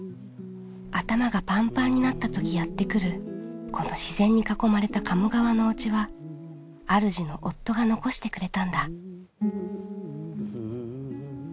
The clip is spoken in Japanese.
頭がパンパンになったときやってくるこの自然に囲まれた鴨川のおうちはあるじの夫が残してくれたんだ。